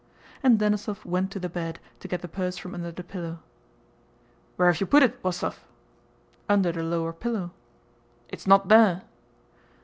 And Denísov went to the bed to get the purse from under the pillow. "Where have you put it, Wostóv?" "Under the lower pillow." "It's not there."